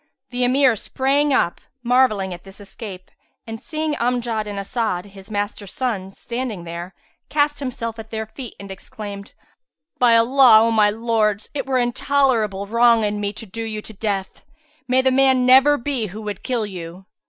The Emir sprang up, marvelling at this escape and seeing Amjad and As'ad, his master's sons, standing there, cast himself at their feet and exclaimed, "By Allah, O my lords, it were intolerable wrong in me to do you to death. May the man never be who would kill you!